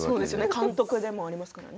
監督でもありますからね。